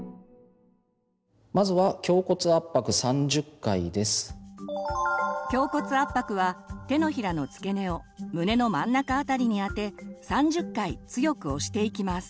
まずは胸骨圧迫は手のひらの付け根を胸の真ん中あたりにあて３０回強く押していきます。